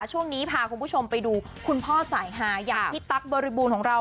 ช่วงนี้พาคุณผู้ชมไปดูคุณพ่อสายฮาอย่างพี่ตั๊กบริบูรณ์ของเรา